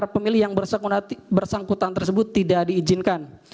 pemilih yang bersangkutan tersebut tidak diizinkan